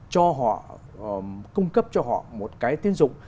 cho họ cung cấp cho họ một cái tiến dụng